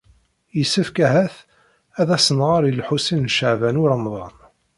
Yessefk, ahat, ad as-nɣer i Lḥusin n Caɛban u Ṛemḍan.